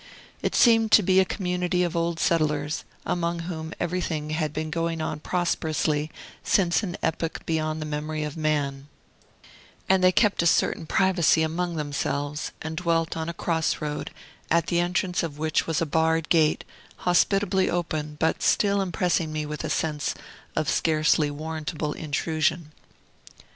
It seemed to be a community of old settlers, among whom everything had been going on prosperously since an epoch beyond the memory of man; and they kept a certain privacy among themselves, and dwelt on a cross road, at the entrance of which was a barred gate, hospitably open, but still impressing me with a sense of scarcely warrantable intrusion.